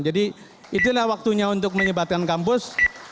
jadi itulah waktunya untuk menyebatkan kampus